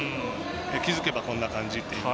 気付けば、こんな感じっていう。